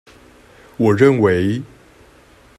我認為